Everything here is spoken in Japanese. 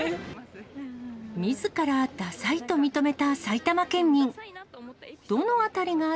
みずからダサいと認めた埼玉県民。